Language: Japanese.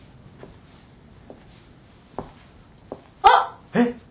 あっ！